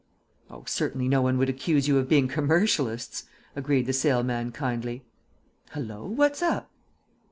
"Oh, certainly no one would accuse you of being commercialists," agreed the Sale man kindly. "Hallo, what's up?"